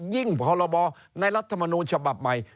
ยิ่งพอระบอในรัฐมนุนฉบับใหม่